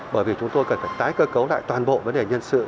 bởi vì chúng tôi cần phải tái cơ cấu lại toàn bộ vấn đề nhân sự